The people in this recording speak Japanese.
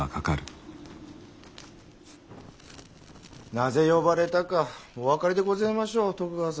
なぜ呼ばれたかお分かりでごぜましょう徳川様。